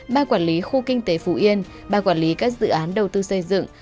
ba quản lý khu kinh tế phú yên ba quản lý các dự án đầu tư xây dựng